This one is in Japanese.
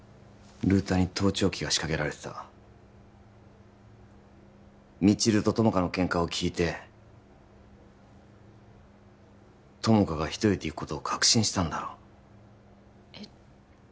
ルーターに盗聴器が仕掛けられてた未知留と友果のケンカを聞いて友果が一人で行くことを確信したんだろうえっ？